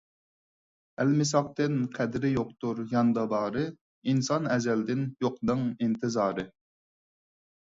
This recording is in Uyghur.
ئەلمىساقتىن قەدرى يوقتۇر ياندا بارى، ئىنسان ئەزەلدىن يوقنىڭ ئىنتىزارى.